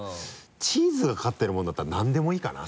チーズがかかってるものだったらなんでもいいかな。